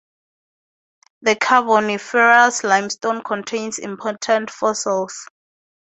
The Carboniferous Limestone contains important fossils.